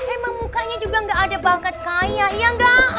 emang mukanya juga gak ada bangkat kaya iya gak